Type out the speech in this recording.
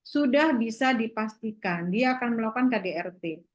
sudah bisa dipastikan dia akan melakukan kdrt